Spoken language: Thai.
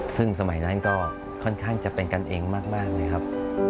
ซึ่งสมัยนั้นก็ค่อนข้างจะเป็นกันเองมากเลยครับ